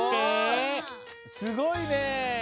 すごいね！